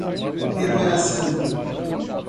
reparação